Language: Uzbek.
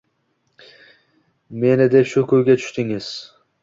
Meni deb shu ko‘yga tushdingiz!